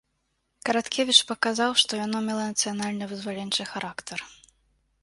Караткевіч паказаў, што яно мела нацыянальна-вызваленчы характар.